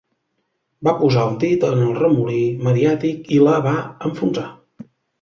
Va posar un dit en el remolí mediàtic i la va enfonsar.